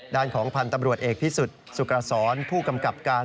ด้านของพันธ์ตำรวจเอกพิสุทธิ์สุกรสรผู้กำกับการ